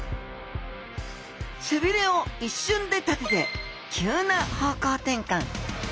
背鰭を一瞬で立てて急な方向転換！